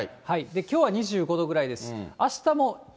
きょうは２５度ぐらいです。